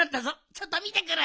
ちょっとみてくる！